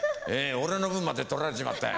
俺の分まで取られちまった。